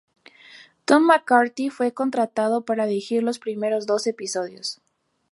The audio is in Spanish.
Tom McCarthy fue contratado para dirigir los primeros dos episodios.